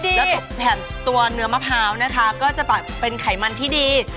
แล้วแถมตัวเนื้อมะพร้าวนะคะก็จะแบบเป็นไขมันที่ดี